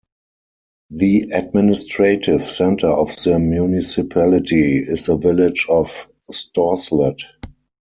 The administrative centre of the municipality is the village of Storslett.